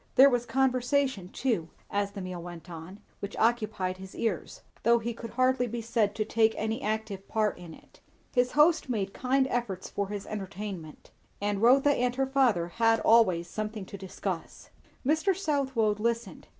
There was conversation too, as the meal went on, which occupied his ears, though he could hardly be said to take an active part in it. His host made kind efforts for his entertainment; and Rotha and her father had always something to discuss. Mr. Southwode listened.